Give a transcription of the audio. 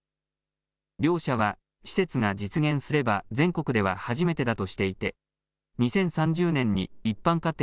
両社は施設が実現すれば全国では初めてだとしていて２０３０年に一般家庭